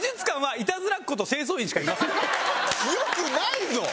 よくないぞ！